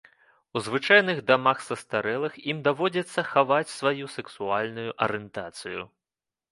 У звычайных дамах састарэлых ім даводзіцца хаваць сваю сэксуальную арыентацыю.